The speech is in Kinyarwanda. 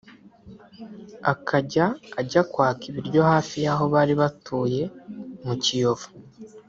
akajya ajya kwaka ibiryo hafi y’aho bari batuye mu Kiyovu